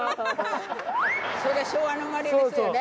それ昭和の生まれですよね。